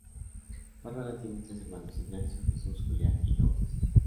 Bárbara tiene tres hermanos: Ignacio Jesús, Julián, y Lourdes.